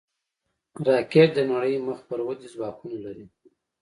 راکټ د نړۍ مخ پر ودې ځواکونه لري